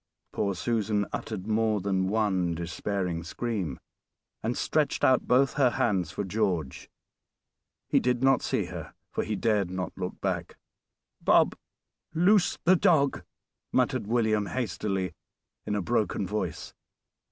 Poor Susan uttered more than one despairing scream, and stretched out both her hands for George. He did not see her, for he dared not look back. "Bob, loose the dog," muttered William hastily, in a broken voice.